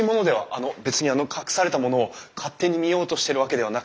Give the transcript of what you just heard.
あの別に隠されたものを勝手に見ようとしてるわけではなくてですね。